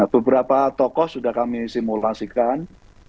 beberapa tokoh sudah kami simulasikan